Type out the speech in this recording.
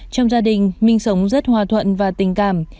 trong gia đình mình sống rất hòa thuận và tình cảm